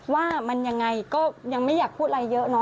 ว่ามันอย่างไรก็ยังไม่อยากพูดอะไรเยอะ